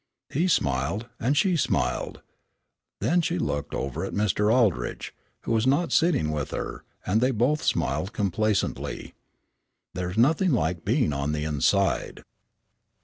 He smiled, and she smiled. Then she looked over at Mr. Aldrich, who was not sitting with her, and they both smiled complacently. There's nothing like being on the inside.